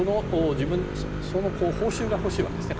その報酬が欲しいわけですね